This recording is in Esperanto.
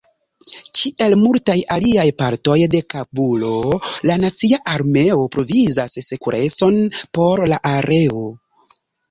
Kiel multaj aliaj partoj de Kabulo, la nacia armeo provizas sekurecon por la areo.